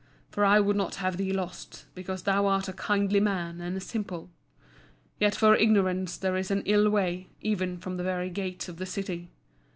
For I would not have thee lost, because thou art a kindly man and a simple. Yet for Ignorance there is an ill way, even from the very gates of the City.